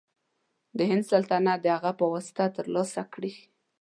د هند سلطنت د هغه په واسطه تر لاسه کړي.